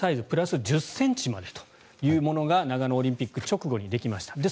プラス１０ｃｍまでというものが長野オリンピック直後にできました。